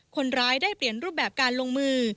คนร้ายได้เปลี่ยนรูปแบบการลงมือ